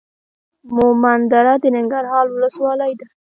مومندره د ننګرهار ولسوالۍ ده.